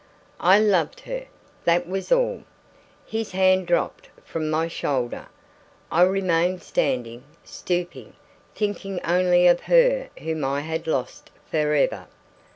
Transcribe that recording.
"I loved her. That was all." His hand dropped from my shoulder. I remained standing, stooping, thinking only of her whom I had lost for ever.